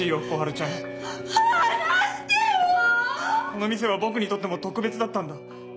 この店は僕にとっても特別だったんだ